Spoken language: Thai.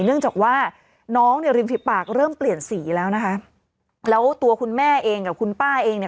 เนื่องจากว่าน้องเนี่ยริมฝีปากเริ่มเปลี่ยนสีแล้วนะคะแล้วตัวคุณแม่เองกับคุณป้าเองเนี่ย